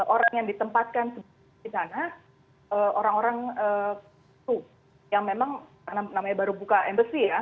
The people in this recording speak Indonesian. orang yang ditempatkan di sana orang orang yang memang karena namanya baru buka embas ya